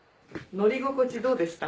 乗り心地どうでした？